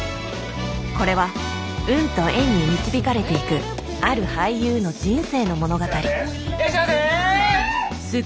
これは運と縁に導かれていくある俳優の人生の物語いらっしゃいませ！